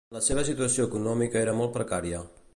La seva situació econòmica era molt precària.